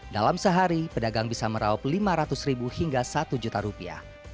dalam sehari pedagang bisa meraup lima ratus ribu hingga satu juta rupiah